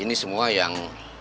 ini semua yang